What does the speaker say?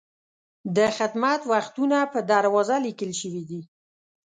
د خدمت وختونه په دروازه لیکل شوي دي.